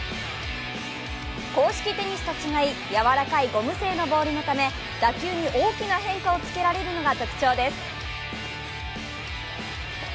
硬式テニスと違いやわらかいゴム製のボールのため打球に大きな変化をつけられるのが特徴です。